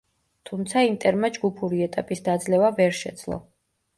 თუმცა „ინტერმა“ ჯგუფური ეტაპის დაძლევა ვერ შეძლო.